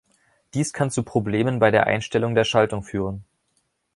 Dies kann zu Problemen bei der Einstellung der Schaltung führen.